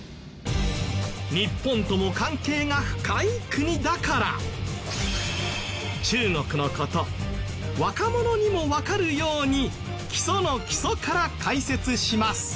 日本とも関係が深い国だから中国の事若者にもわかるように基礎の基礎から解説します。